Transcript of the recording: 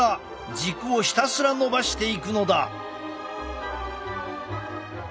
軸をひたすら伸ばしていくのだ。